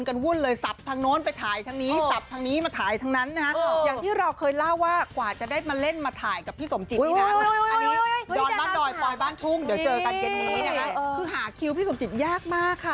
คือหาคิวพี่สมจิตยากมากค่ะ